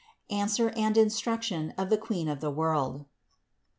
ANSWER AND INSTRUCTION OF THE QUEEN OF THE WORLD.